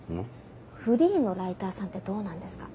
フリーのライターさんってどうなんですか？